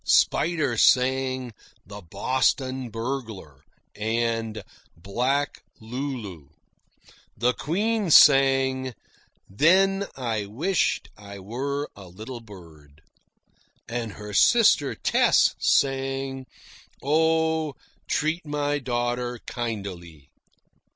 Spider sang "The Boston Burglar" and "Black Lulu." The Queen sang "Then I Wisht I Were a Little Bird." And her sister Tess sang "Oh, Treat My Daughter Kindily."